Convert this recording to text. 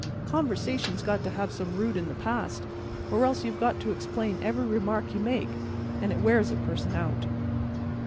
Conversation's got to have some root in the past, or else you've got to explain every remark you make, an' it wears a person out."